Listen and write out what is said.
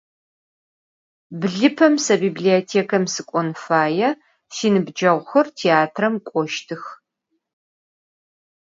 Blıpem se bibliotêkam sık'on faê, sinıbceğuxer têatram k'oştıx.